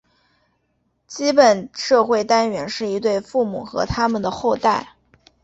基本社会单元是一对父母和它们的后代。